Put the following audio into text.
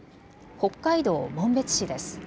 北海道紋別市です。